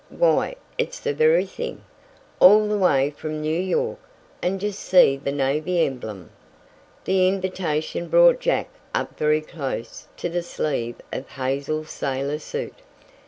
Why it's the very thing all the way from New York. And just see the navy emblem." The invitation brought Jack up very close to the sleeve of Hazel's sailor suit.